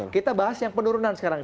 kita bahas yang penurunan sekarang